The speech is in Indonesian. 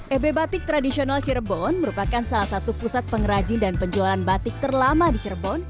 ebe batik tradisional cirebon merupakan salah satu pusat pengrajin dan penjualan batik terlama di cirebon